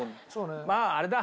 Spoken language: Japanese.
まああれだ。